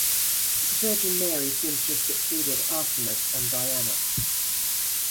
The Virgin Mary seems to have succeeded Artemis and Diana.